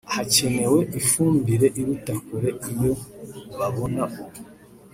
hakenewe ifumbire iruta kure iyo babona ubu